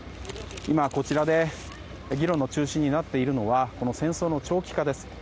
今、こちらで議論の中心になっているのは戦争の長期化です。